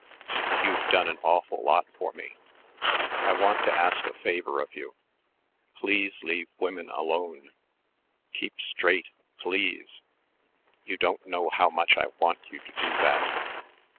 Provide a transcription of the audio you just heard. You've done an awful lot for me. I want to ask a favor of you. Please leave women alone. Keep straight, please. You don't know how much I want you to do that.